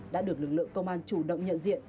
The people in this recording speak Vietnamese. đã được lực lượng công an chủ động nhận diện